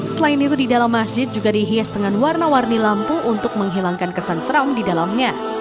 selain itu di dalam masjid juga dihias dengan warna warni lampu untuk menghilangkan kesan seram di dalamnya